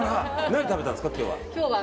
何食べたんですか、今日は。